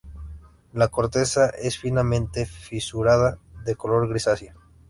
La corteza es finamente fisurada, de color grisácea.